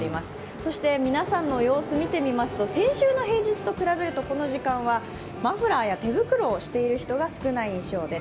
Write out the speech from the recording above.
そして皆さんの様子見てみますと先週の平日と比べるとこの時間はマフラーや手袋をしている人が少ない印象です。